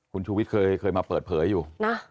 คุณชูวิทย์เคยมาเปิดเผยอยู่นะ